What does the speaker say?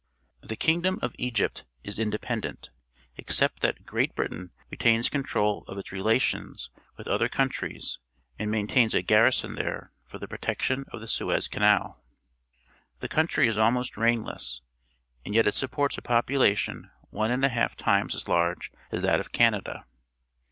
— The kingdom of Egypt is independent, except that Great Britain retains control of its relations with other countries and maintains a garrison there for the protection of the Suez Canal. The country is almost rainless, and yet it supports a popu lation one and a half times as large as that of Canada.